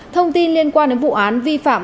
thông tin liên quan đến vụ án vi phạm